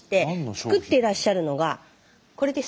作ってらっしゃるのがこれです。